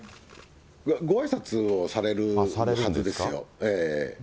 ごあいさつをされるはずですよ。